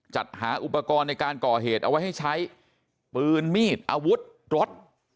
จัดหาอุปกรณ์ในการก่อเหตุเอาไว้ให้ใช้ปืนมีดอาวุธรถ